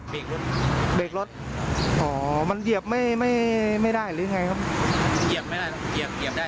รถเบรกรถอ๋อมันเหยียบไม่ไม่ได้หรือไงครับเหยียบไม่ได้แล้วเหยียบเหยียบได้